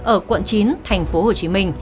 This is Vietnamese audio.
ở quận chín tp hcm